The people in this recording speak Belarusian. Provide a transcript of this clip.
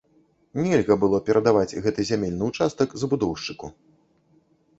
Нельга было перадаваць гэты зямельны участак забудоўшчыку.